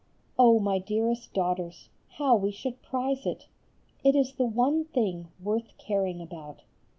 Oh! my dearest daughters, how we should prize it! It is the one thing worth caring about.